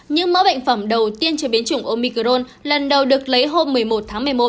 những mẫu bệnh phẩm đầu tiên chế biến chủng omicron lần đầu được lấy hôm một mươi một tháng một mươi một